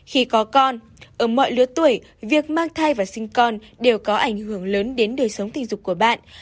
khi có con ở mọi lứa tuổi việc mang thai và sinh con đều có ảnh hưởng lớn đến đời sống tình dục của bạn